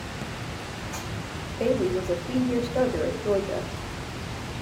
Bailey was a three-year starter at Georgia.